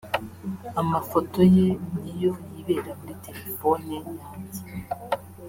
Amafoto ye niyo yibera muri telephone yanjye